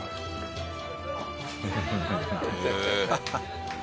へえ！